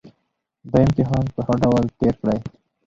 دا امتحان په ښه ډول تېر کړئ